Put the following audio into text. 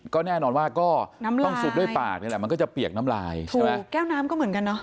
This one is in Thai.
ก็แน่นอนว่าก็ต้องซุบด้วยปากนี่แหละมันก็จะเปียกน้ำลายถูกไหมแก้วน้ำก็เหมือนกันเนอะ